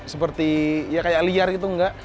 seperti ya kayak liar gitu enggak